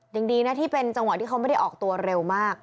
ยังดีนะที่เป็นจังหวะที่เขาไม่ได้ออกตัวเร็วมาก